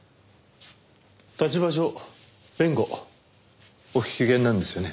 立場上弁護お引き受けになるんですよね？